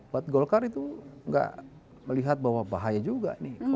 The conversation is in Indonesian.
buat golkar itu nggak melihat bahwa bahaya juga nih